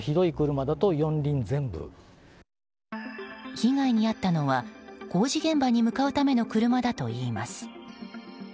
被害に遭ったのは、工事現場に向かうための車だといいます。